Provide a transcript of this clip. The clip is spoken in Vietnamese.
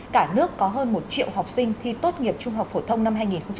cả nước có hơn một triệu học sinh thi tốt nghiệp trung học phổ thông năm hai nghìn hai mươi